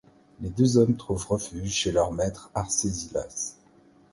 Les deux hommes trouvent refuge chez leur maître Arcésilas.